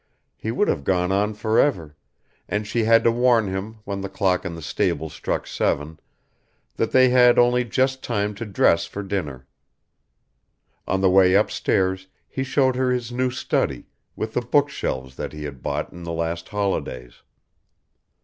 He would have gone on for ever, and she had to warn him when the clock in the stables struck seven that they had only just time to dress for dinner. On the way upstairs he showed her his new study, with the bookshelves that he had bought in the last holidays.